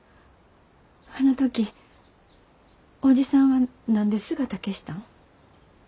あの時伯父さんは何で姿消したん？